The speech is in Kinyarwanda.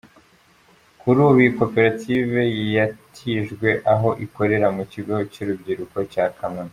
Kuri ubu, iyi koperative yatijwe aho ikorera mu Kigo cy’Urubyiruko cya Kamonyi.